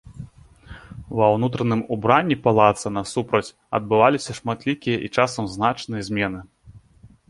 Ва ўнутраным убранні палаца насупраць адбываліся шматлікія і часам значныя змены.